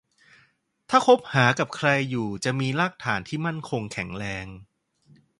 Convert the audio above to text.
ถ้าคบหากับใครอยู่จะมีรากฐานที่มั่นคงแข็งแรง